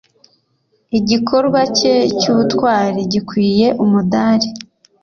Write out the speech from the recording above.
Igikorwa cye cyubutwari gikwiye umudari.